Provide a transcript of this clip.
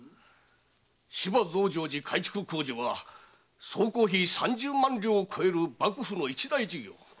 芝増上寺改築工事は総工費三十万両を越える幕府の一大事行。